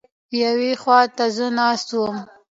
یوې خوا ته زه ناست وم.